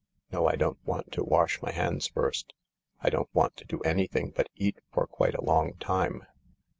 No, I don't want to wash my hands first. I don't want to do anything but eat for quite a long time."